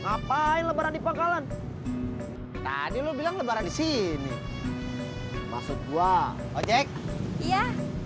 ngapain lebaran di pangkalan tadi lo bilang lebaran di sini maksud gua ojek iya